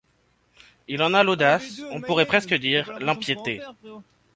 Il en a l’audace ; on pourrait presque dire, l’impiété.